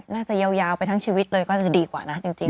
ยาวไปทั้งชีวิตเลยก็จะดีกว่านะจริง